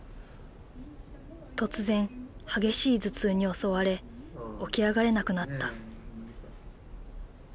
突然激しい頭痛に襲われ起き上がれなくなった。